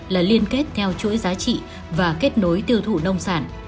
là liên kết theo chuỗi giá trị và kết nối tiêu thụ nông sản